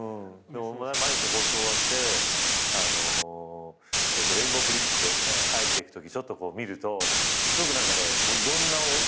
毎日放送終わってレインボーブリッジで帰っていくときちょっと見るとすごく何かね感慨深いいろんな思いが浮かんで。